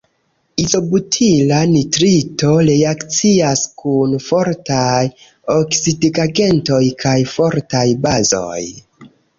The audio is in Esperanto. Izobutila nitrito reakcias kun fortaj oksidigagentoj kaj fortaj bazoj.